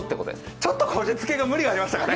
ちょっとこじつけが無理がありましたかね。